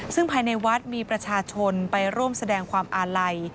ซึ่งภายในวัดมีประชาชนไปร่วมแสดงความอาลัย